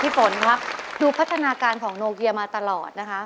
ฝนครับดูพัฒนาการของโนเกียมาตลอดนะคะ